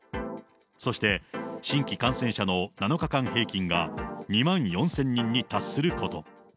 そして、新規感染者の７日間平均が２万４０００人に達すること。